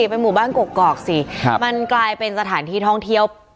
เป็นหมู่บ้านกกอกสิมันกลายเป็นสถานที่ท่องเที่ยว